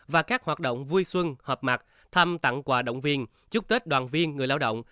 và các hoạt động vui xuân họp mặt thăm tặng quà động viên chúc tết đoàn viên người lao động